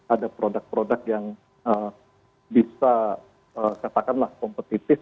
ada produk produk yang bisa katakanlah kompetitif